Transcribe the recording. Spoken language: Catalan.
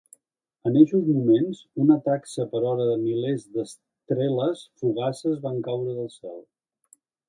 En eixos moments, una taxa per hora de milers d'estreles fugaces van caure del cel.